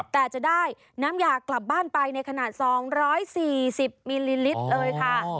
แต่จะได้น้ำยากลับบ้านไปในขนาด๒๔๐มิลลิลิตรเลยค่ะ